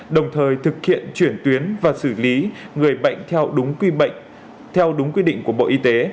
đồng thời thực hiện chuyển tuyến và xử lý người bệnh theo đúng quy định của bộ y tế